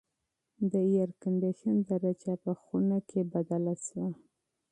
د اېرکنډیشن درجه په خونه کې بدله شوه.